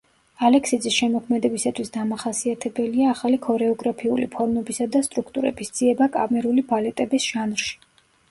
ალექსიძის შემოქმედებისათვის დამახასიათებელია ახალი ქორეოგრაფიული ფორმებისა და სტრუქტურების ძიება კამერული ბალეტების ჟანრში.